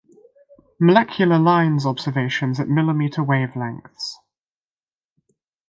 Molecular lines observations at mm wavelengths.